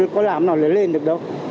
có làm nào là lên được đâu